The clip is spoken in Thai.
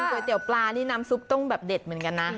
๋วเตี๋ยปลานี่น้ำซุปต้องแบบเด็ดเหมือนกันนะ